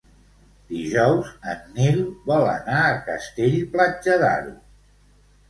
Dijous en Nil vol anar a Castell-Platja d'Aro.